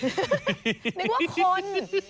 ไม่ว่าคน